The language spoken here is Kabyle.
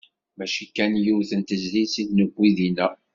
Mačči kan yiwet n tezlit i d-newwi dinna.